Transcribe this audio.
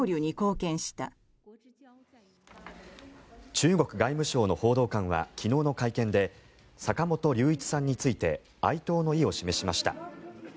中国外務省の報道官は昨日の会見で坂本龍一さんについて哀悼の意を示しました。